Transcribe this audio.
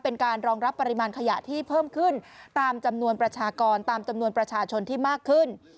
เป็นการรองรับปริมาณขยะที่เพิ่มขึ้นตามจำนวนประชากรตามจำนวนประชาชนที่มากขึ้น